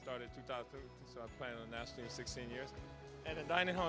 dari tahun dua ribu dua